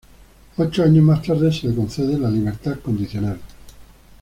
Ocho años más tarde, se le concede la libertad condicional.